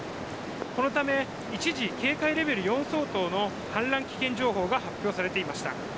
このため、一時警戒レベル４相当の氾濫危険情報が発表されていました。